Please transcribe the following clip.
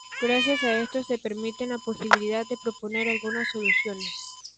Gracias a esto se permiten la posibilidad de proponer algunas soluciones.